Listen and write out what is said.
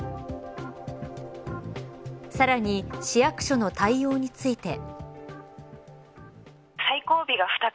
さらに市役所の対応について。